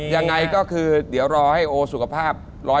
ยังไงก็คือเดี๋ยวรอให้โอสุขภาพ๑๐๐